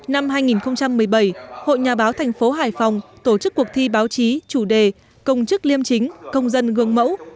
năm hai nghìn một mươi bảy hội nhà báo thành phố hải phòng tổ chức cuộc thi báo chí chủ đề công chức liêm chính công dân gương mẫu